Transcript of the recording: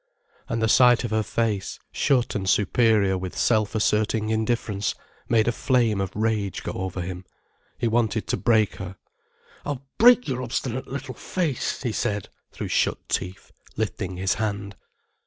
And the sight of her face, shut and superior with self asserting indifference, made a flame of rage go over him. He wanted to break her. "I'll break your obstinate little face," he said, through shut teeth, lifting his hand.